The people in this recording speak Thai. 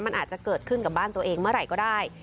มันอาจจะเกิดขึ้นกับบ้านตัวเองเมื่อไหร่ก็ได้